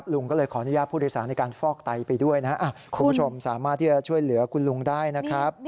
ลุงก็เลยขออนุญาตผู้โดยสารในการฟอกไตไปด้วยนะครับคุณผู้ชมสามารถที่จะช่วยเหลือคุณลุงได้นะครับ